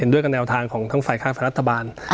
ด้วยกับแนวทางของทั้งฝ่ายข้างฝ่ายรัฐบาล